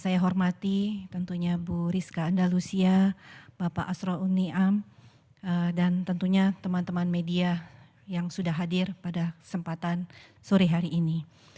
saya hormati tentunya bu rizka andalusia bapak asro uniam dan tentunya teman teman media yang sudah hadir pada kesempatan sore hari ini